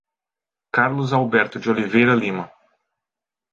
Carlos Alberto de Oliveira Lima